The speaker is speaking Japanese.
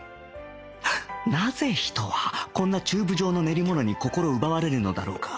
フッなぜ人はこんなチューブ状の練り物に心奪われるのだろうか？